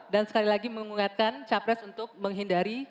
dan sekali lagi mengungatkan capres untuk menghindari